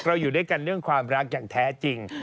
เราอยู่ด้วยกันด้วยความรักอย่างแท้จริง